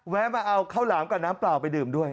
มาเอาข้าวหลามกับน้ำเปล่าไปดื่มด้วย